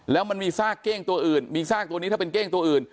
แล้วมันมีซากเก้งตัวอื่นมีซากตัวนี้ถ้าเป็นเก้งตัวอื่น